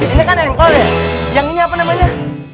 ini kan engkol ya yang ini apa namanya